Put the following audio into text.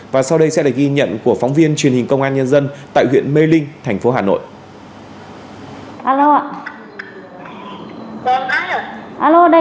và sau đây sẽ là ghi nhận của phóng viên truyền hình công an nhân dân tại huyện mê linh thành phố hà nội